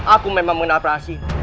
aku memang mengenal praksi